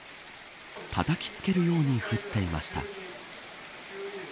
たたきつけるように降っていました。